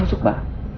sampai jumpa lagi